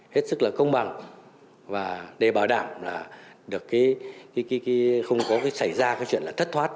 hết sức là công bằng và để bảo đảm là được không có xảy ra cái chuyện là thất thoát